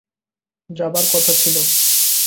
যাবার কথা ছিল।